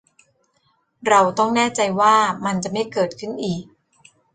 เราต้องแน่ใจว่ามันจะไม่เกิดขึ้นอีก